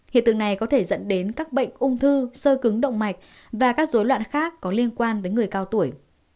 hiện tượng này có thể dẫn đến các bệnh ung thư sơ cứng động mạch và các dối loạn khác có liên quan đến người cao tuổi